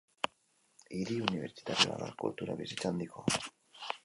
Hiri unibertsitarioa da, kultura bizitza handikoa.